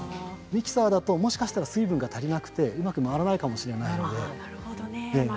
ミキサーだともしかしたら水分が足りなくてうまく回らないかもしれないので。